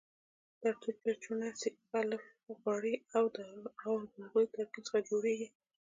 دا توکي له چونه، سريښ، الف غوړي او د هغوی ترکیب څخه جوړیږي.